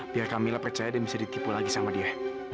biar kamilah percaya dia bisa ditipu lagi sama dia